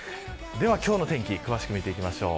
今日の気温天気を詳しく見ていきましょう。